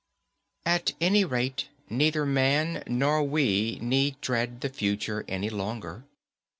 _At any rate, neither man nor we need dread the future any longer.